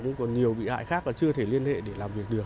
nhưng còn nhiều bị hại khác là chưa thể liên hệ để làm việc được